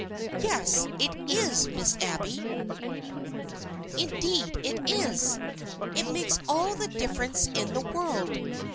"Yes, it is, Miss Abby ! Indeed it is! It makes all the difference in the world.